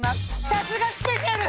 さすがスペシャル。